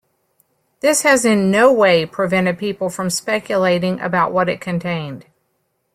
This has in no way prevented people from speculating about what it contained.